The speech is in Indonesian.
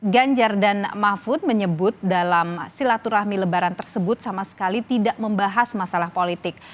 ganjar dan mahfud menyebut dalam silaturahmi lebaran tersebut sama sekali tidak membahas masalah politik